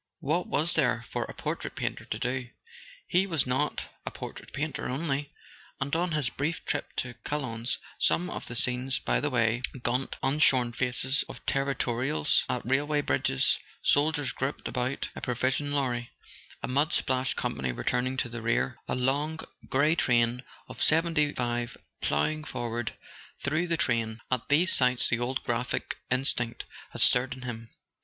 What was there for a portrait painter to do? He was not a portrait painter only, and on his brief trip to Chalons some of the scenes by the way—gaunt unshorn faces of territorials at railway bridges, soldiers grouped about a provision [ 127 ] A SON AT THE FRONT lorry, a mud splashed company returning to the rear, a long grey train of "seventy fives" ploughing forward through the rain—at these sights the old graphic in¬ stinct had stirred in him.